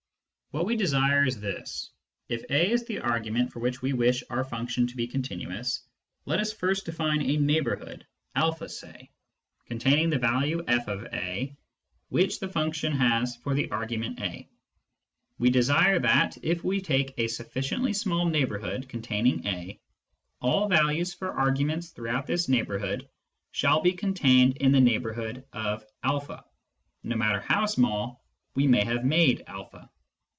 What we desire is this : If a is the argument for which we wish our function to be continuous, let us first define a neighbourhood (a say) containing the value fa which the function has for the argument a ; we desire that, if we take a sufficiently small neighbourhood containing a, all values for arguments throughout this neighbourhood shall be contained in the neighbourhood a, no matter how small we may have made a.